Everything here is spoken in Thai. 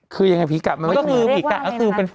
คือยังไงผีกะมันไม่ถูกมาเรียกว่าอะไรนะ